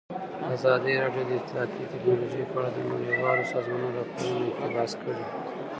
ازادي راډیو د اطلاعاتی تکنالوژي په اړه د نړیوالو سازمانونو راپورونه اقتباس کړي.